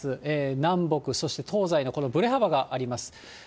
南北、そして東西のぶれ幅があります。